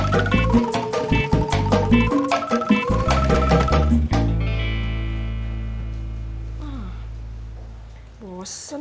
kalau ambil ikut itu nungguin